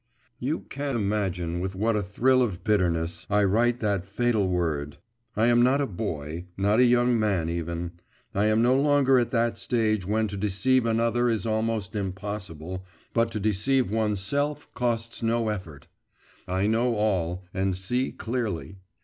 You can imagine with what a thrill of bitterness I write that fatal word. I am not a boy, not a young man even; I am no longer at that stage when to deceive another is almost impossible, but to deceive oneself costs no effort. I know all, and see clearly.